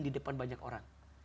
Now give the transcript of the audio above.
di depan banyak orang